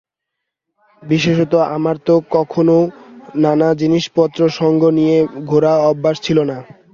বিশেষত আমার তো কখনও নানা জিনিষপত্র সঙ্গে নিয়ে ঘোরা অভ্যাস ছিল না।